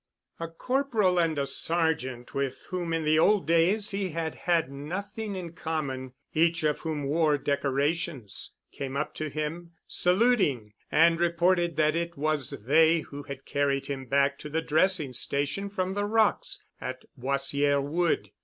A corporal and a sergeant with whom in the old days he had had nothing in common, each of whom wore decorations, came up to him, saluting, and reported that it was they who had carried him back to the dressing station from the rocks at Boissière Wood.